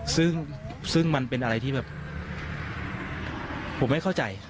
ซึ่งมันเป็นอะไรที่แบบผมไม่เข้าใจ